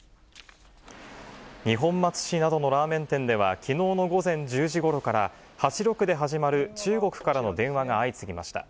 二本松市などのラーメン店では、きのうの午前１０時ごろから、８６で始まる中国からの電話が相次ぎました。